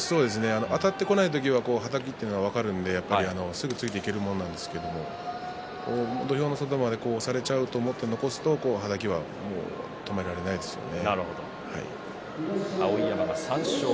あたってこない時ははたきが分かるので、すぐについていけるものなんですけど土俵の外まで押されてしまうと思って残すとはたきは止められないですよね。